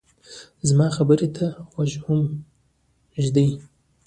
زما خبرې ته غوږ هم ږدې